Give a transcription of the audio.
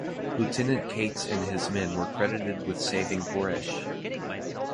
Lieutenant Cates and his men were credited with saving Bouresches.